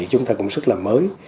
chúng ta cũng rất là mới